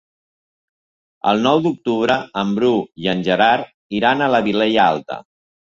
El nou d'octubre en Bru i en Gerard iran a la Vilella Alta.